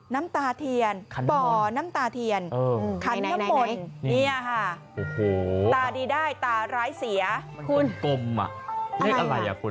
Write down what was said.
น้ำตาเทียนป่อน้ำตาเทียนคันน้ำมนนี่อะค่ะ